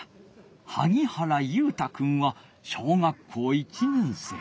萩原佑太くんは小学校１年生。